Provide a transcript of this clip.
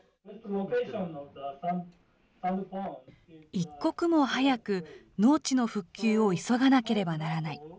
一刻も早く、農地の復旧を急がなければならない。